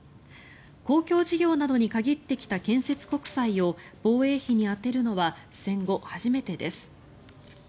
公共事業などに限ってきた建設国債を防衛費に充てるのは戦後初めてです。